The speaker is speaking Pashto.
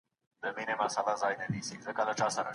ایا موږ به ډېر اتڼ وړاندي کړو؟